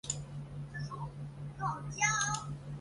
其它改装主要是为了更好地支持机上人员。